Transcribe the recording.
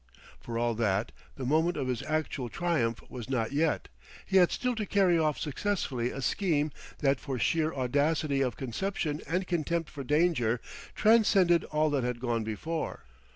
For all that, the moment of his actual triumph was not yet; he had still to carry off successfully a scheme that for sheer audacity of conception and contempt for danger, transcended all that had gone before.